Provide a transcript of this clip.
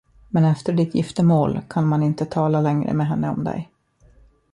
Men efter ditt giftermål kan man inte tala längre med henne om dig.